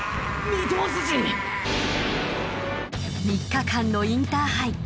３日間のインターハイ